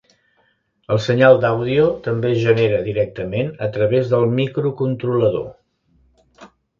El senyal d'àudio també es genera directament a través del microcontrolador.